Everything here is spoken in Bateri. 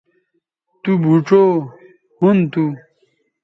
تو بھوڇؤ ھُن تھو